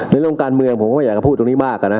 เรื่องการเมืองผมก็อยากจะพูดตรงนี้มากนะ